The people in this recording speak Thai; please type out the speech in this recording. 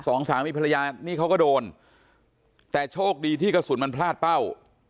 สองสามีภรรยานี่เขาก็โดนแต่โชคดีที่กระสุนมันพลาดเป้า